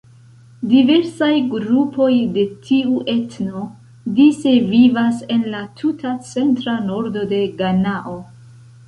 Diversaj grupoj de tiu etno dise vivas en la tuta centra nordo de Ganao.